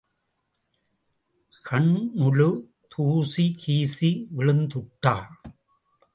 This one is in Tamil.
கண்ணுல தூசி கீசி விழுந்துட்டா?